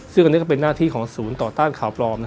ซึ่งอันนี้ก็เป็นหน้าที่ของศูนย์ต่อต้านข่าวปลอม